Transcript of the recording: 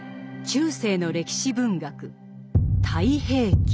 中世の歴史文学「太平記」。